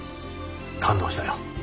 感動したよ。